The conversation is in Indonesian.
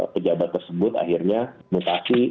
pejabat tersebut akhirnya